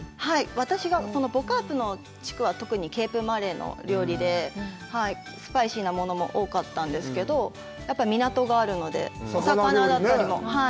私が、ボ・カープの地区は特にケープマレーの料理で、スパイシーなものも多かったんですけど、やっぱり港があるので、魚だったりも。